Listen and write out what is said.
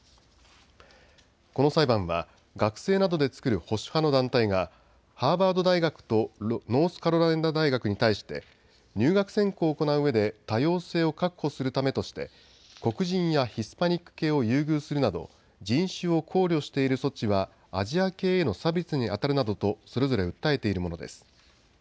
この裁判は学生などで作る保守派の団体がハーバード大学とノースカロライナ大学に対して入学選考を行ううえで多様性を確保するためとして黒人やヒスパニック系を優遇するなど人種を考慮している措置はアジア系への差別にあたるなどとそれぞれ訴えているものです。